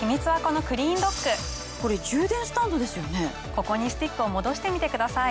ここにスティックを戻してみてください。